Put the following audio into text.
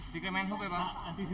dki menho memang